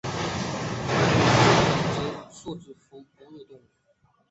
川鼩属等之数种哺乳动物。